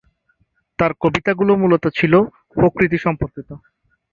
তার কবিতাগুলো মূলত ছিল প্রকৃতিসম্পর্কিত।